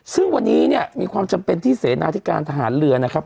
ซึ่งวันนี้เนี่ยมีความจำเป็นที่เสนาธิการทหารเรือนะครับ